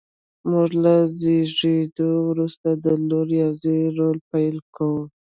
موږ له زېږېدو وروسته د لور یا زوی رول پیل کوو.